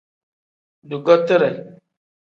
Dugotire.